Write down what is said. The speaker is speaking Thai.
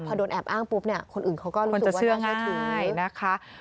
พอโดนแอบอ้างปุ๊บคนอื่นเขาก็รู้สึกว่าได้เชื่อถือ